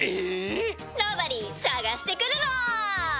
ロボリィ、探してくるぞ！